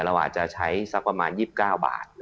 เราอาจจะใช้สักประมาณ๒๙บาท